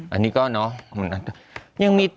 อันนี้ก็เนาะ